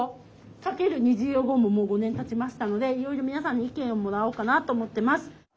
かける「にじいろＧＯ！」ももう５年たちましたのでいろいろ皆さんに意見をもらおうかなと思ってます。